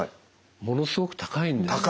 ものすごく高いんです。